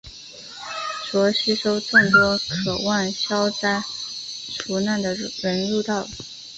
遂吸收众多渴望消灾除难的人入道。